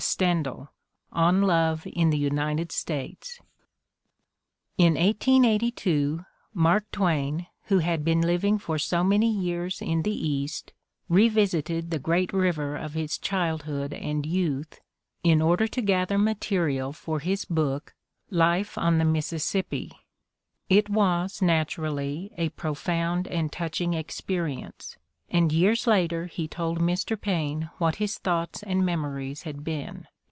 Stendhal: On Love in ihe United States. IN 1882, Mark Twain, who had been living for so many years in the Bast, revisited the great river of his childhood and youth in order to gather material for his book, "Life on the Mississippi." It was, naturally, a profound and touching experience, and years later he told Mr. Paine what his thoughts and memories had been.